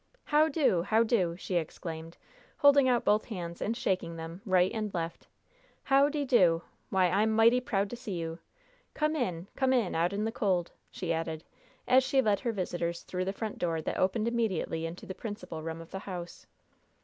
"How do? How do?" she exclaimed, holding out both hands and shaking them, right and left. "How dee do? Why, I'm mighty proud to see you! Come in! Come in out'n the cold!" she added, as she led her visitors through the front door that opened immediately into the principal room of the house.